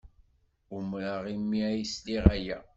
Umreɣ imi ay sliɣ aya.